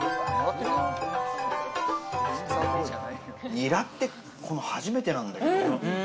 にらって初めてなんだけど。